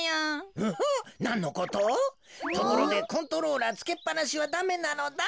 ところでコントローラーつけっぱなしはダメなのだ。